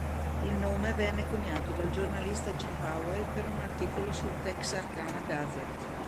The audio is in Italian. Il nome venne coniato dal giornalista Jim Powell per un articolo sul "Texarkana Gazette".